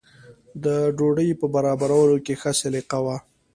د ډوډۍ په برابرولو کې ښه سلیقه وه.